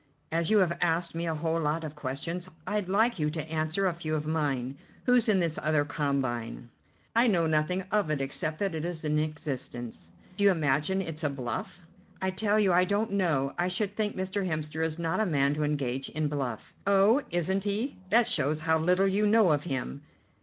"As you have asked me a whole lot of questions, I'd like you to answer a few of mine. Who's in this other combine?" "I know nothing of it, except that it is in existence." "Do you imagine it's a bluff?" "I tell you I don't know. I should think Mr. Hemster is not a man to engage in bluff." "Oh, isn't he? That shows how little you know of him.